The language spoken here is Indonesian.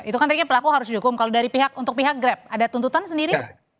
itu kan tadinya pelaku harus dihukum kalau dari pihak untuk pihak grab ada tuntutan sendiri